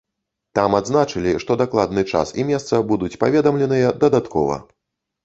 Там адзначылі, што дакладны час і месца будуць паведамленыя дадаткова.